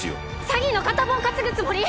詐欺の片棒担ぐつもり？